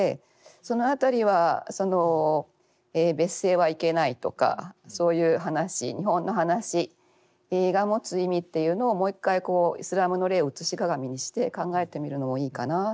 その辺りは別姓はいけないとかそういう話日本の話が持つ意味っていうのをもう一回イスラムの例を写し鏡にして考えてみるのもいいかなって思いました。